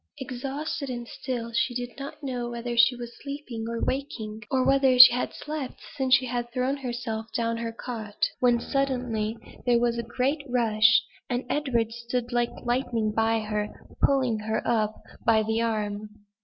Exhausted and still, she did not know whether she was sleeping or waking; or whether she had slept since she had thrown herself down on her cot, when suddenly, there was a great rush, and then Edward stood like lightning by her, pulling her up by the arm.